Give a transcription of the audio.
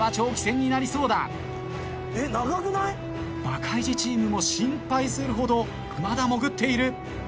バカイジチームも心配するほどまだ潜っている。